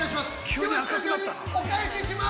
ではスタジオにお返しします。